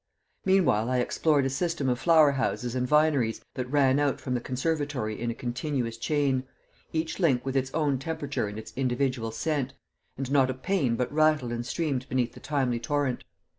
Meanwhile I explored a system of flower houses and vineries that ran out from the conservatory in a continuous chain each link with its own temperature and its individual scent and not a pane but rattled and streamed beneath the timely torrent.